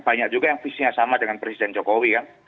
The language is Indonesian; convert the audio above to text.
banyak juga yang visinya sama dengan presiden jokowi kan